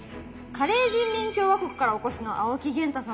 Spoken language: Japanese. カレー人民共和国からお越しの青木源太様。